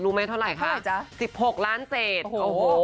รู้ไหมเท่าไรคะเท่าไรจ๋าสิบหกล้านเศษโอ้โห